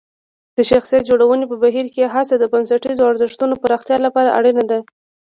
د شخصیت جوړونې په بهیر کې هڅه د بنسټیزو ارزښتونو پراختیا لپاره اړینه ده.